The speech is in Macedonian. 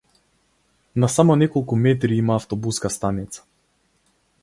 На само неколку метри има автобуска станица.